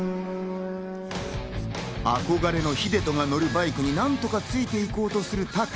憧れの秀人が乗るバイクに何とかついて行こうとする拓。